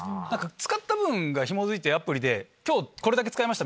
使った分がひもづいて今日これだけ使いました！